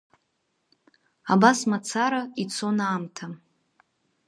Абас мацара ицон аамҭа.